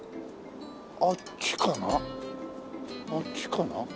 あっちかな？